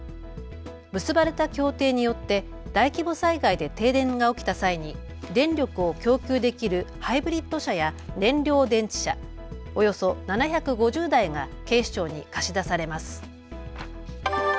結ばれた協定によって大規模災害で停電が起きた際に電力を供給できるハイブリッド車や燃料電池車、およそ７５０台が警視庁に貸し出されます。